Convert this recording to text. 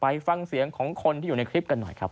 ฟังเสียงของคนที่อยู่ในคลิปกันหน่อยครับ